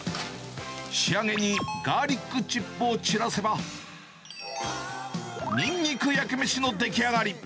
仕上げにガーリックチップを散らせば、にんにく焼きめしの出来上がり。